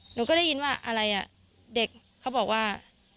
หนูก็ได้ยินว่าอะไรอ่ะเด็กเขาบอกว่า